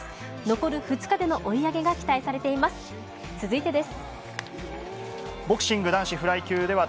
残る２日での追い上げが期待されています。